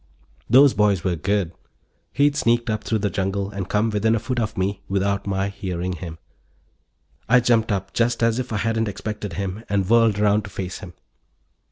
Those boys were good. He'd sneaked up through the jungle and come within a foot of me without my hearing him. I jumped up just as if I hadn't expected him and whirled around to face him.